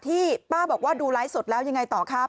ที่ป้าบอกว่าดูไลฟ์สดแล้วยังไงต่อครับ